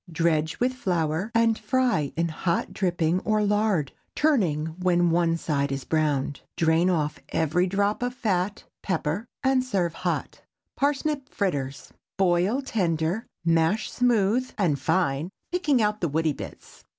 Dredge with flour and fry in hot dripping or lard, turning when one side is browned. Drain off every drop of fat; pepper, and serve hot. PARSNIP FRITTERS. ✠ Boil tender, mash smooth and fine, picking out the woody bits.